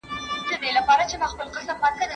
ايا ډيپلوماتان د هېواد د ملي ګټو ساتنه کوي؟